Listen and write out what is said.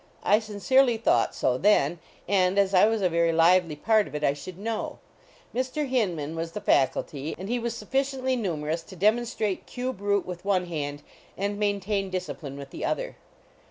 I sincerely thought so then, and as I was a very lively part of it, I should know. Mr. Hinman was the Faculty, and he was sufficiently numer ous to demonstrate cube root with one hand and maintain discipline with the other.